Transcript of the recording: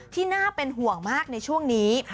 ที่น่าเป็นห่วงมากในช่วงนี้